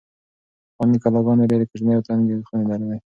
پخوانۍ کلاګانې ډېرې کوچنۍ او تنګې خونې لرلې.